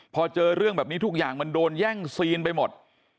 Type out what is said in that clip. พอเจอเรื่องแบบนี้ทุกอย่างมันโดนแย่งซีนไปหมด